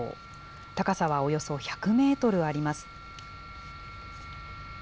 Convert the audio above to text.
高さはおよそ１００メートルあります。